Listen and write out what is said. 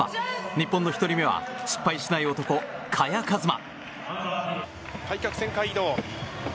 日本の１人目は失敗しない男・萱和磨。